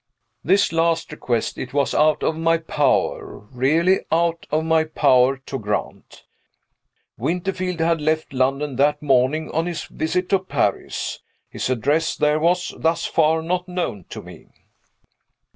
This last request it was out of my power really out of my power to grant. Winterfield had left London that morning on his visit to Paris. His address there was, thus far, not known to me.